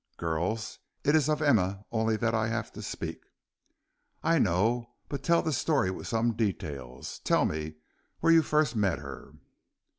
"Girls? It is of Emma only that I have to speak." "I know, but tell the story with some details; tell me where you first met her."